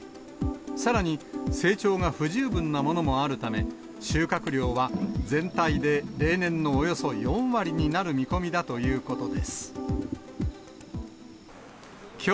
さらに、成長が不十分なものもあるため、収穫量は全体で例年のおよそ４割になる見込みだということです。